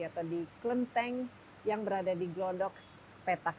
atau di klenteng yang berada di glodok petak sembilan